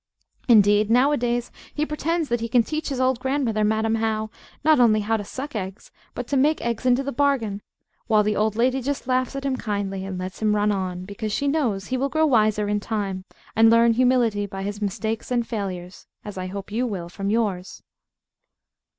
Indeed, nowadays he pretends that he can teach his old grandmother, Madam How, not only how to suck eggs, but to make eggs into the bargain; while the good old lady just laughs at him kindly, and lets him run on, because she knows he will grow wiser in time, and learn humility by his mistakes and failures, as I hope you will from yours.